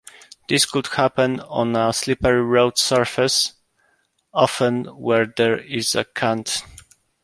This could happen on a slippery road surface, often where there is a cant.